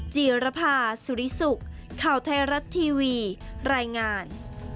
จีรภาสุริสุขข่าวไทยรัฐทีวีรายงาน